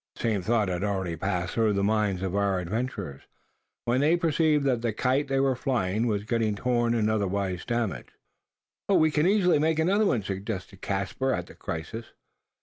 The same thought had already passed through the minds of our adventurers, when they perceived that the kite they were flying was getting torn and otherwise damaged. "We can easily make another," suggested Caspar at that crisis.